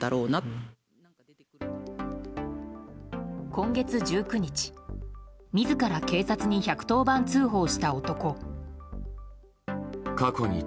今月１９日自ら警察に１１０番通報した男。